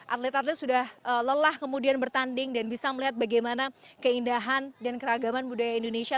atlet atlet sudah lelah kemudian bertanding dan bisa melihat bagaimana keindahan dan keragaman budaya indonesia